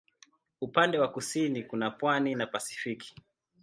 Upande wa kusini kuna pwani na Pasifiki.